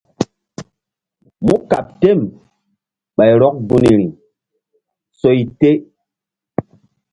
Mú kqɓ tem ɓay rɔk gunri soy te.